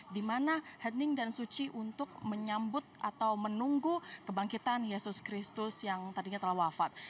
di mana henning dan suci untuk menyambut atau menunggu kebangkitan yesus kristus yang tadinya telah wafat